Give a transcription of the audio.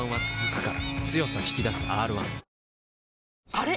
あれ？